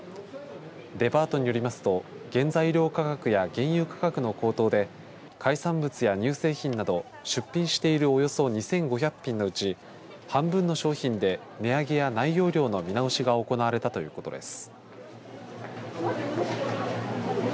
デパートによりますと原材料価格や金融価格の高騰で海産物や乳製品など出品しているおよそ２５００品のうち半分の商品で値上げや内容量の見直しが行われたということです。